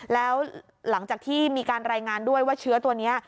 แล้วหลังจากที่มีการรายงานด้วยว่าเชื้อตัวนี้